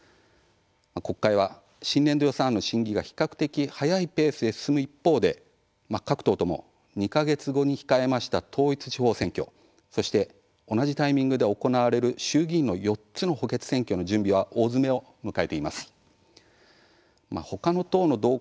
国会は、新年度予算案の審議が比較的早いペースで進む一方で各党とも２か月後に控えました統一地方選挙、そして同じタイミングで行われる衆議院の４つの補欠選挙の準備は大詰めを迎えています。